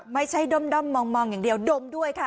ไม่ใช่ด้อมมองอย่างเดียวดมด้วยค่ะ